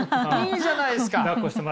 いいじゃないですか！